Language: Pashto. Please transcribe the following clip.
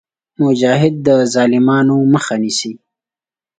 مجاهد د ظالمانو مخه نیسي.